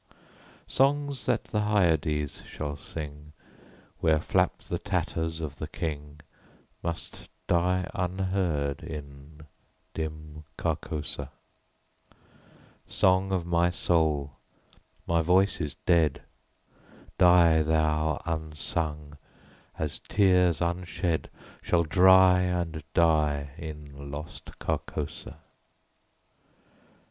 Songs that the Hyades shall sing, Where flap the tatters of the King, Must die unheard in Dim Carcosa. Song of my soul, my voice is dead; Die thou, unsung, as tears unshed Shall dry and die in Lost Carcosa.